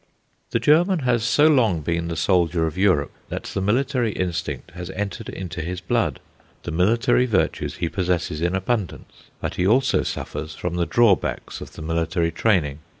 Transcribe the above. The German has so long been the soldier of Europe, that the military instinct has entered into his blood. The military virtues he possesses in abundance; but he also suffers from the drawbacks of the military training.